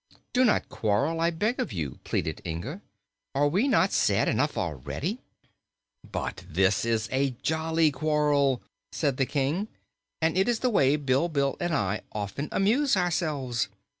"Do not quarrel, I beg of you," pleaded Inga. "Are we not sad enough already?" "But this is a jolly quarrel," said the King, "and it is the way Bilbil and I often amuse ourselves.